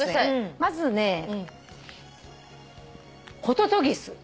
まずねホトトギス。